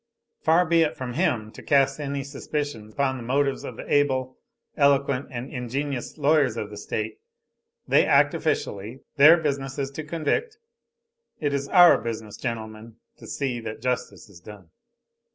Far be it from him to cast any suspicion upon the motives of the able, eloquent and ingenious lawyers of the state; they act officially; their business is to convict. It is our business, gentlemen, to see that justice is done.